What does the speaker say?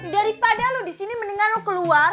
daripada lu disini mendengar lu keluar